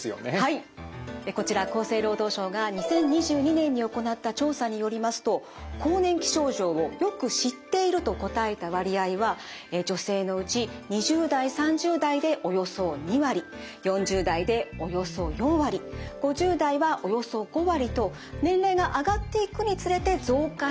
こちら厚生労働省が２０２２年に行った調査によりますと更年期症状を「よく知っている」と答えた割合は女性のうち２０代３０代でおよそ２割４０代でおよそ４割５０代はおよそ５割と年齢が上がっていくにつれて増加しているんですが。